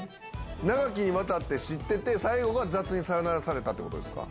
長きにわたって知ってて、最後が雑にさよならされたってことですか？